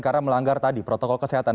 karena melanggar tadi protokol kesehatan